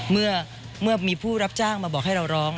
เมื่อมีผู้รับจ้างมาบอกให้เราร้อง